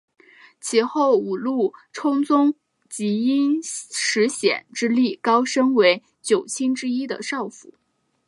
其后五鹿充宗即因石显之力高升为九卿之一的少府。